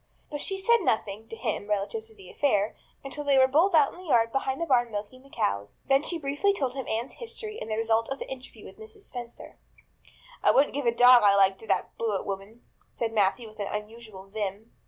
But she said nothing, to him, relative to the affair, until they were both out in the yard behind the barn milking the cows. Then she briefly told him Anne's history and the result of the interview with Mrs. Spencer. "I wouldn't give a dog I liked to that Blewett woman," said Matthew with unusual vim.